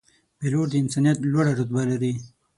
پیلوټ د انسانیت لوړه رتبه لري.